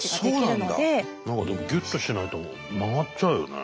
何かでもギュッとしないと曲がっちゃうよね？